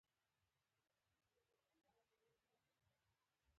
هغه د خپلو بچیانو روزنه کوله.